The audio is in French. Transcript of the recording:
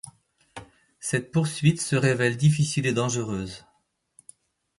Cette poursuite se révèle difficile et dangereuse.